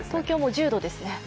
東京も１０度ですね。